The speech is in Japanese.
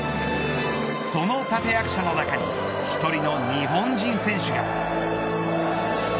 その立て役者の中に一人の日本人選手が。